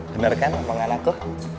bener kan pengalaku